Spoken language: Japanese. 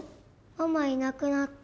ママいなくなった。